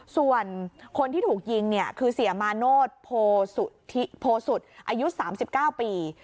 ส่วนคนที่ถูกยิงคือเสียมาโนธโพสุทธิ์อายุ๓๙ปี